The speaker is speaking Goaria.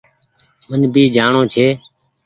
من ڀي جآڻو ڇي۔